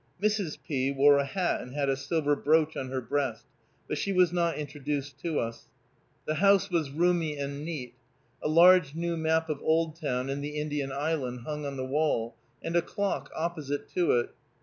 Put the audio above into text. Mrs. P. wore a hat and had a silver brooch on her breast, but she was not introduced to us. The house was roomy and neat. A large new map of Oldtown and the Indian Island hung on the wall, and a clock opposite to it.